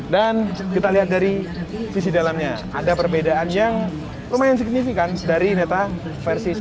dan kita lihat dari sisi dalamnya ada perbedaan yang lumayan signifikan dari neta versi satu